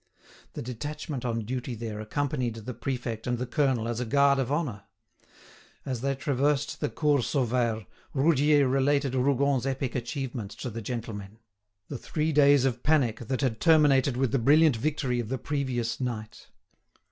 The detachment on duty there accompanied the prefect and the colonel as a guard of honour. As they traversed the Cours Sauvaire, Roudier related Rougon's epic achievements to the gentlemen—the three days of panic that had terminated with the brilliant victory of the previous night.